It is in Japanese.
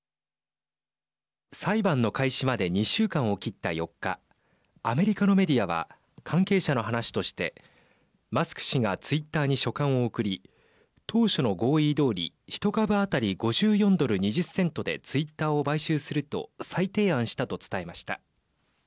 裁判の開始まで２週間を切った４日アメリカのメディアは関係者の話としてマスク氏がツイッターに書簡を送り当初の合意どおり１株当たり５４ドル２０セントでツイッターを買収すると再提案したと伝えました。